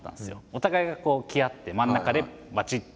お互いがこう来合って真ん中でばちっと。